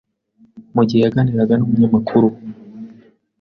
Mu gihe yaganiraga n’umunyamakuru